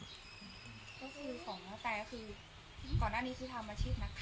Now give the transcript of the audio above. ก็คือส่องแล้วแต่ก่อนหน้านี้คือทำอาชีพนักข่าวนะครับ